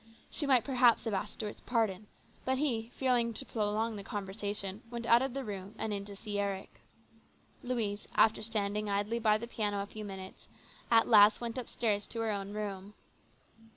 She might perhaps have asked Stuart's pardon ; but he, fearing to prolong the conversation, went out of the room and in to see Eric. Louise, after standing idly by the AN EXCITING TIME. 131 piano a few minutes, at last went upstairs to her own room.